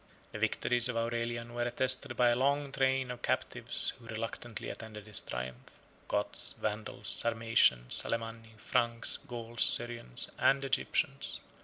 The victories of Aurelian were attested by the long train of captives who reluctantly attended his triumph, Goths, Vandals, Sarmatians, Alemanni, Franks, Gauls, Syrians, and Egyptians.